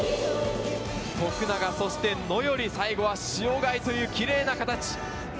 徳永、そして野頼、最後は塩貝というキレイな形。